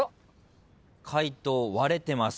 解答割れてます。